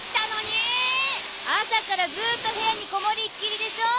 あさからずっとへやにこもりっきりでしょ？